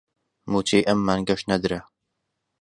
مووچەی ئەم مانگەش نەدرا